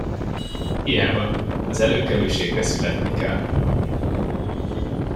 Hiába, az előkelőségre születni kell!